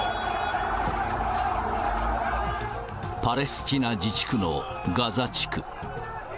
パレスチナ自治区のガザ地区。